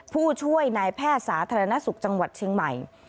ผู้ช่วยนายแพทย์สาธารณสุขจังหวัดเชียงใหม่